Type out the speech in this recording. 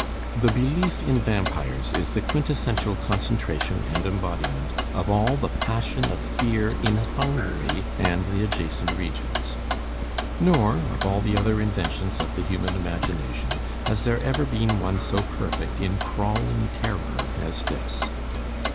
The belief in vampires is the quintessential concentration and embodiment of all the passion of fear in Hungary and the adjacent regions. Nor, of all the other inventions of the human imagination, has there ever been one so perfect in crawling terror as this.